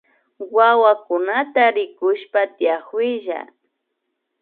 Wawakunata rikushpa tiakuylla